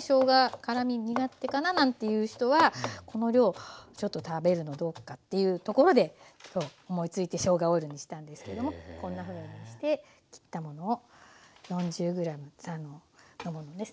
しょうが辛み苦手かななんていう人はこの量ちょっと食べるのどうかっていうとこまで今日思いついてしょうがオイルにしたんですけれどもこんなふうにして切ったものを４０ｇにしたものです。